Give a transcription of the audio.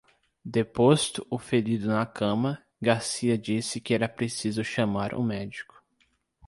Deposto o ferido na cama, Garcia disse que era preciso chamar um médico.